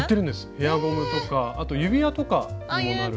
ヘアゴムとかあと指輪とかにもなる。